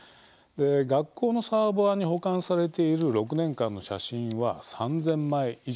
学校のサーバーに保管されている６年間の写真は３０００枚以上。